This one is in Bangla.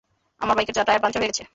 আমার বাইকের টায়ার পাংচার হয়ে গেছে।